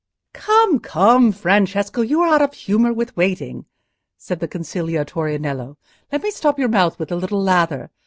"Come, come, Francesco, you are out of humour with waiting," said the conciliatory Nello. "Let me stop your mouth with a little lather.